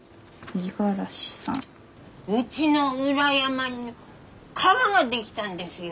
うちの裏山に川が出来たんですよ。